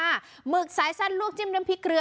หมึกสายสั้นลวกจิ้มน้ำพริกเกลือ